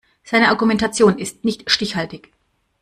Seine Argumentation ist nicht stichhaltig.